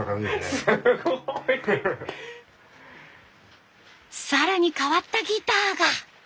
すごい！更に変わったギターが。